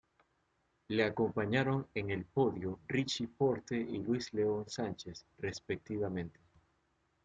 Le acompañaron en el podio Richie Porte y Luis León Sánchez, respectivamente.